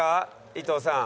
伊藤さん。